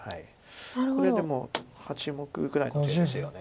これでも８目ぐらいの手ですよね。